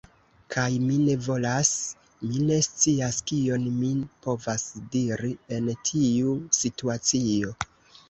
Kaj, mi ne volas... mi ne scias kion mi povas diri en tiu situacio.